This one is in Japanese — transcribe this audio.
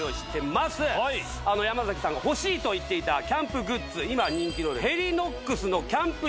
山さんが欲しいと言っていたキャンプグッズ。